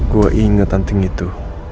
gua inget anting itu